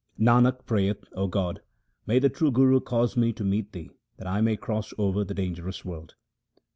Nanak prayeth, O God, may the true Guru cause me to meet Thee that I may cross over the dangerous world